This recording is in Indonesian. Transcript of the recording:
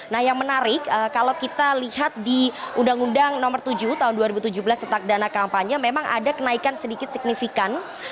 nah yang menarik kalau kita lihat di undang undang nomor tujuh tahun dua ribu tujuh belas tentang dana kampanye memang ada kenaikan sedikit signifikan